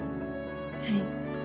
はい。